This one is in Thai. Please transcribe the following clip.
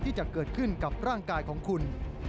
ที่จะเกิดขึ้นกับร่างกายของคุณ